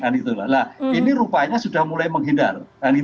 nah ini rupanya sudah mulai menghindar